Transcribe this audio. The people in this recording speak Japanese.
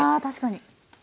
確かに！